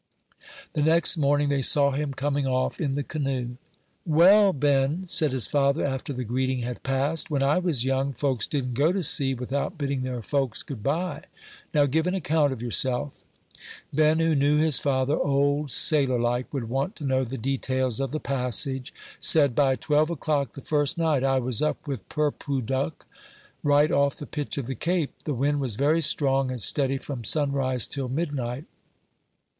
The next morning they saw him coming off in the canoe. "Well, Ben," said his father, after the greeting had passed, "when I was young, folks didn't go to sea without bidding their folks good by. Now, give an account of yourself." Ben, who knew his father, old sailor like, would want to know the details of the passage, said, "By twelve o'clock the first night I was up with Purpooduck, right off the pitch of the cape; the wind was very strong and steady from sunrise till midnight."